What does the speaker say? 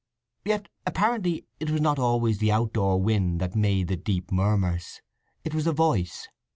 Yet apparently it was not always the outdoor wind that made the deep murmurs; it was a voice.